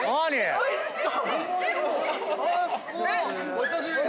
お久しぶりです！